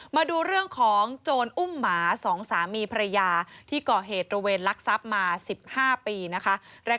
มาดูเรื่องของโจรอุ้มหมา๒สามีภรรยาที่ก่อเหตุตระเวนลักทรัพย์มา๑๕ปีนะคะ